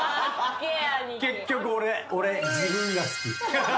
結局俺。